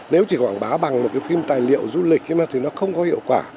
nếu chỉ quảng bá bằng một phim tài liệu du lịch thì nó không có hiệu quả